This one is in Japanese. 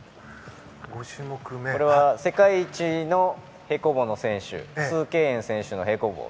これは、世界一の平行棒の選手スウ・ケイエン選手の平行棒。